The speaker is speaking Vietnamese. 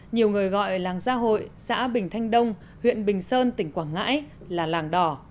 nhiều người gọi làng gia hội xã bình thanh đông huyện bình sơn tỉnh quảng ngãi là làng đỏ